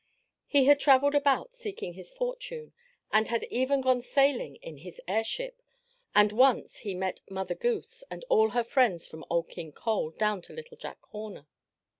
He had traveled about seeking his fortune, he had even gone sailing in his airship, and once he met Mother Goose and all her friends from Old King Cole down to Little Jack Horner.